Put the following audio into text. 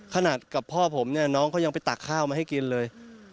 ขนาดกับพ่อผมน้องก็ยังไปตักข้าวมาให้กินเลย